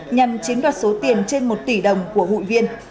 nhằm chiếm đoạt số tiền trên một tỷ đồng của hụi viên